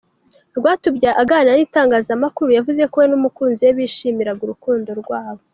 Rwatubyaye aganira n’itangazamakuru yavuze ko we n’umukunzi we bishimiraga urukundo rwabo.